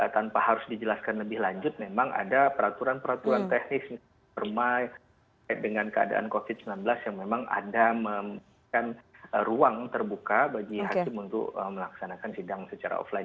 tanpa harus dijelaskan lebih lanjut memang ada peraturan peraturan teknis permai dengan keadaan covid sembilan belas yang memang ada memberikan ruang terbuka bagi hakim untuk melaksanakan sidang secara offline